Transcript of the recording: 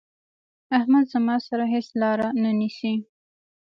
احمد زما سره هيڅ لار نه نيسي.